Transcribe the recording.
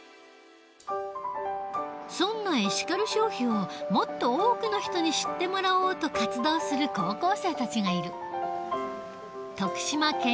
そんなエシカル消費をもっと多くの人に知ってもらおうと活動する高校生たちがいる。